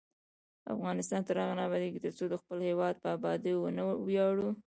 افغانستان تر هغو نه ابادیږي، ترڅو د خپل هیواد په ابادۍ ونه ویاړو.